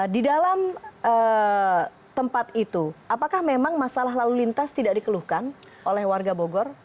di dalam tempat itu apakah memang masalah lalu lintas tidak dikeluhkan oleh warga bogor